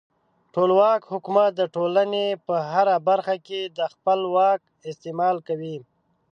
ټولواک حکومت د ټولنې په هره برخه کې د خپل واک استعمال کوي.